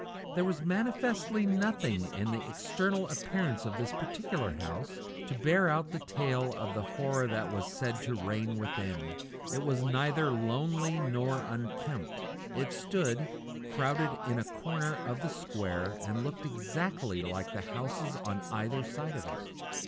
There was manifestly nothing in the external appearance of this particular house to bear out the tales of the horror that was said to reign within. It was neither lonely nor unkempt. It stood, crowded into a corner of the square, and looked exactly like the houses on either side of it.